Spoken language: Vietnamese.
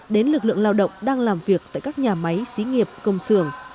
đến lực lượng lao động đang làm việc tại các nhà máy xí nghiệp công xưởng